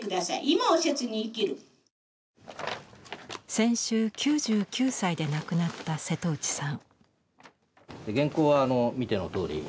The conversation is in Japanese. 先週９９歳で亡くなった瀬戸内さん。